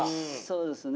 そうですね。